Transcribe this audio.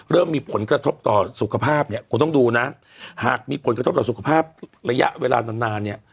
เริ่มมีผลกระทบต่อสุขภาพเนี่ยคุณต้องดูนะหากมีผลกระทบต่อสุขภาพระยะเวลานานนานเนี่ย